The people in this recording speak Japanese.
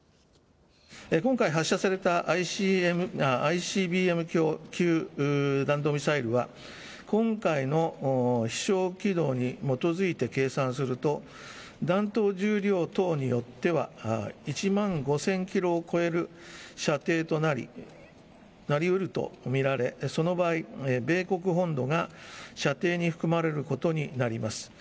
今回、発射されたＩＣＢＭ級弾道ミサイルは、今回の飛しょう軌道に基づいて計算すると、弾頭重量等によっては、１万５０００キロを超える射程となりうると見られ、その場合、米国本土が射程に含まれることになります。